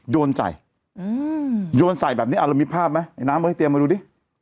โดนใส่โยนใส่แบบนี้เรามีภาพไหมไอ้น้ำไว้เตรียมมาดูดิ